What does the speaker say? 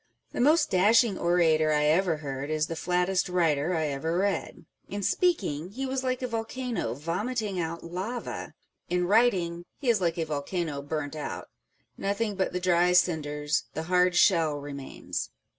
The most dashing orator I ever heard is the flattest writer I ever read. In speaking, he was like a volcano vomiting out lava ; in writing, he is like a volcano burnt out. Nothing but the dry cinders, the hard shell remains.